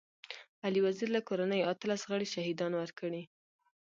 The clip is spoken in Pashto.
علي وزير له کورنۍ اتلس غړي شهيدان ورکړي.